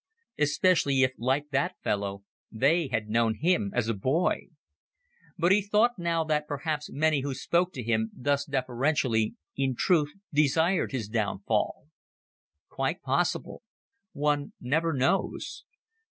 Especially if, like that fellow, they had known him as a boy. But he thought now that perhaps many who spoke to him thus deferentially in truth desired his downfall. Quite possible. One never knows.